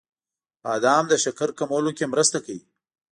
• بادام د شکر کمولو کې مرسته کوي.